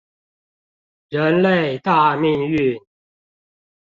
人類大命運